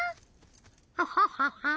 ア？ハハハハ？